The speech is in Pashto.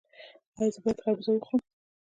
ایا زه باید خربوزه وخورم؟